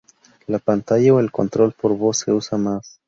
La pantalla o el control por voz se usa más.